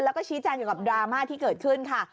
แล้วก็ชี้แจงเกี่ยวกับดราม่าที่เกิดขึ้นค่ะ